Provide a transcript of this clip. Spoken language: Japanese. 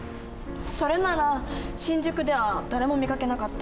それなら「新宿では誰も見かけなかった。